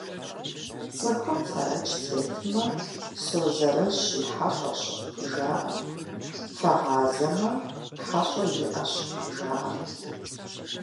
Цӏыхум фэрэкӏ тетмэ, «Созэрэщ и хьэщӏэщ» жаӏэрт, фэгъазэмэ, «хьэщӏэ иӏэщ» - жаӏэрт.